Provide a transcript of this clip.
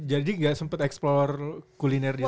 jadi enggak sempet explore kuliner di sana